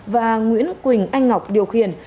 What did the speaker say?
và nguyễn quỳnh anh ngọc điều khiển